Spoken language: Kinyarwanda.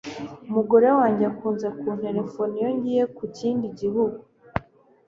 Umugore wanjye akunze kunterefona iyo ngiye mu kindi gihugu.